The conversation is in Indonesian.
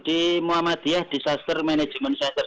di muhammadiyah disaster management center